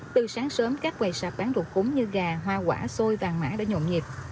từ sáng sớm các quầy sạp bán đồ cúng như gà hoa quả xôi vàng mã đã nhộn nhịp